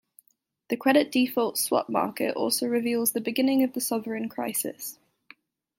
The Credit default swap market also reveals the beginning of the sovereign crisis.